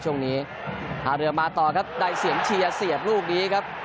ช่วงนี้พาเรือมาต่อครับได้เสียงเชียร์เสียบลูกนี้ครับ